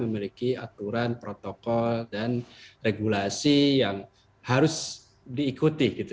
memiliki aturan protokol dan regulasi yang harus diikuti gitu